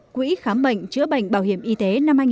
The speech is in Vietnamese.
quỹ khám bệnh chữa bệnh bảo hiểm y tế năm hai nghìn một mươi